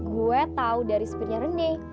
gue tahu dari supirnya rene